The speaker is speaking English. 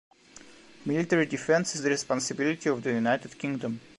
Military defence is the responsibility of the United Kingdom.